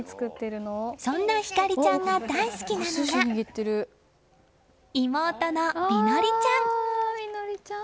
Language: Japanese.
そんな光莉ちゃんが大好きなのが妹の実莉ちゃん。